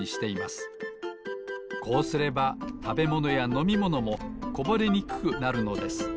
こうすればたべものやのみものもこぼれにくくなるのです。